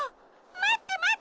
まってまって！